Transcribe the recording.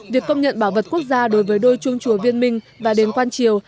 việc công nhận bảo vật quốc gia đối với đôi chuông chùa viên minh và đền quan triều